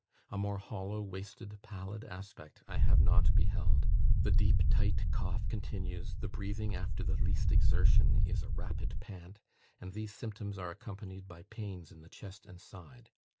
A more hollow, wasted, pallid aspect I have not beheld. The deep tight cough continues; the breathing after the least exertion is a rapid pant; and these symptoms are accompanied by pains in the chest and side.